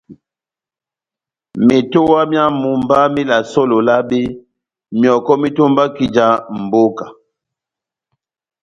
Metowa myá mumba melasɛ ó Lolabe, myɔkɔ metombaki já mbóka.